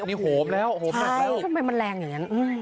นี่โหบแล้วโหบมากเลยทำไมมันแรงอย่างนั้น